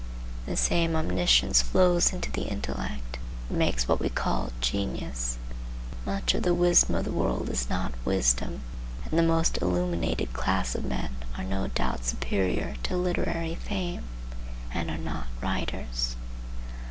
The same Omniscience flows into the intellect, and makes what we call genius. Much of the wisdom of the world is not wisdom, and the most illuminated class of men are no doubt superior to literary fame, and are not writers.